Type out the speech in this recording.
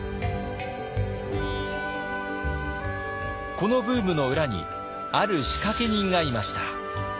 このブームの裏にある仕掛け人がいました。